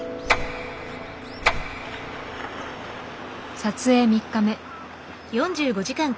撮影３日目。